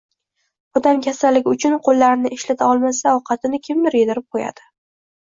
Odam kasalligi uchun qo‘llarini ishlata olmasa, ovqatini kimdir yedirib qo‘yadi.